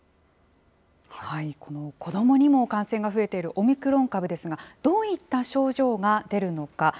この子どもにも感染が増えているオミクロン株ですが、どういった症状が出るのか。